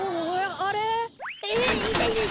あれ？